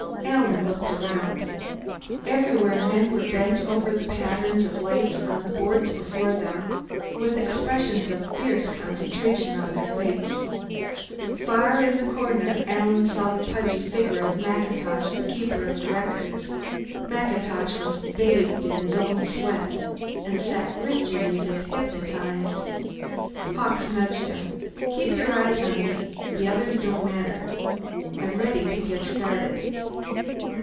Alan looked around. Everywhere men were bent over the patterns of lights on the boards before them, with expressions of fierce concentration on their faces. Far in the corner Alan saw the pudgy figure of MacIntosh, the Keeper of the Records; MacIntosh was bathed in his own sweat, and sat rigid as if hypnotized. Hawkes nudged him. "Keep your eyes on me. The others don't matter. I'm ready to get started."